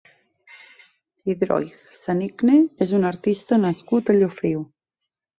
Idroj Sanicne és un artista nascut a Llofriu.